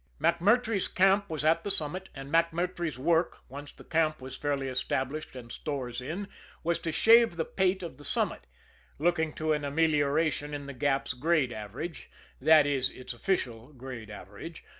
MacMurtrey's camp was at the summit; and MacMurtrey's work, once the camp was fairly established and stores in, was to shave the pate of the summit, looking to an amelioration in The Gap's grade average that is, its official grade average.